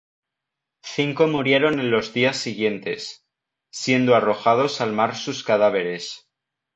Cinco murieron en los días siguientes, siendo arrojados al mar sus cadáveres.